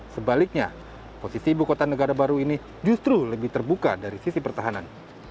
sebaliknya posisi ibu kota negara baru ini justru lebih terbuka dari sisi pertahanan